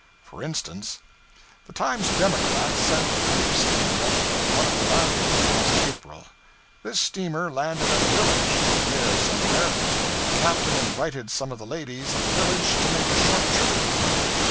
For instance The 'Times Democrat' sent a relief steamer up one of the bayous, last April. This steamer landed at a village, up there somewhere, and the Captain invited some of the ladies of the village to make a short trip with him.